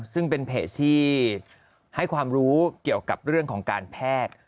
ซึ่งเป็นเพจที่ให้ความรู้เกี่ยวกับเรื่องของการแพทย์